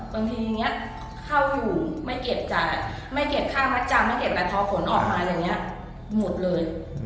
บางทีเข้าอยู่ไม่เก็บจาวไม่เก็บข้ามจาไม่เก็บอะไรเพราะขนออกมาหมดเลย